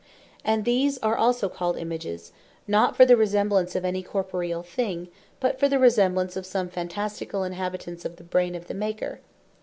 And these are also called Images, not for the resemblance of any corporeall thing, but for the resemblance of some Phantasticall Inhabitants of the Brain of the Maker.